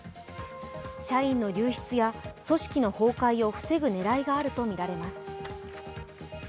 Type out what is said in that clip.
社員の流出や組織の崩壊を防ぐ狙いがあるとみられます。